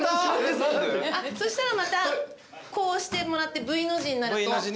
そしたらまたこうしてもらってＶの字になると。